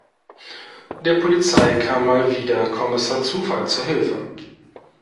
Der Polizei kam mal wieder Kommissar Zufall zur Hilfe.